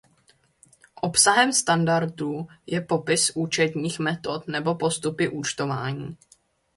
Obsahem standardů je „popis účetních metod nebo postupy účtování“.